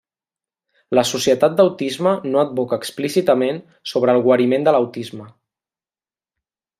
La Societat d'Autisme no advoca explícitament sobre el guariment de l'autisme.